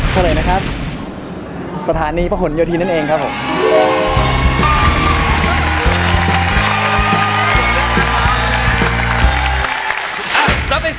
เชอร์รี่นะครับสถานีพระห่วนโยธินตนั่นเองครับ